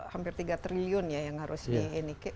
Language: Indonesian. hampir tiga triliun ya yang harus di ini